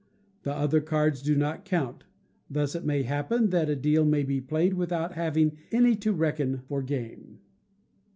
The other cards do not count: thus it may happen that a deal may be played without having any to reckon for game.